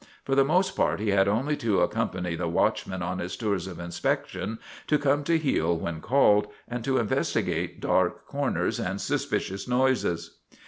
For the most part he had only to accompany the watchman on his tours of inspection, to come to heel when called, and to investigate dark corners and suspicious noises.